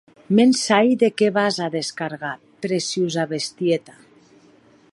Me’n sai de qué vas a descargar, preciosa bestieta.